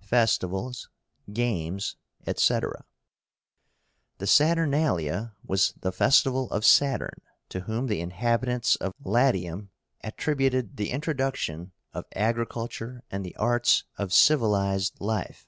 FESTIVALS, GAMES, ETC. The SATURNALIA was the festival of Saturn, to whom the inhabitants of Latium attributed the introduction of agriculture and the arts of civilized life.